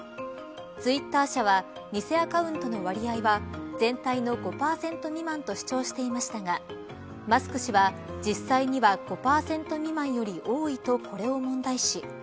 ツイッター社は偽アカウントの割合は全体の５％未満と主張していましたがマスク氏は実際には５％未満より多いとこれを問題視。